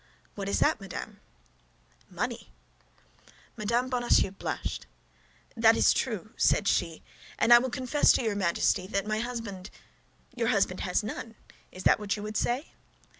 "What is that, madame?" "Money." Mme. Bonacieux blushed. "Yes, that is true," said she, "and I will confess to your Majesty that my husband—" "Your husband has none. Is that what you would say?"